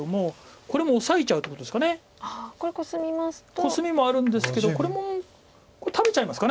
コスミもあるんですけどこれも食べちゃいますか。